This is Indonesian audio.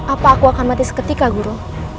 apa aku akan mati seketika guru